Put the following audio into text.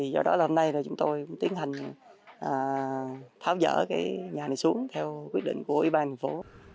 do đó hôm nay chúng tôi tiến hành tháo rỡ nhà này xuống theo quyết định của ủy ban nhân dân phố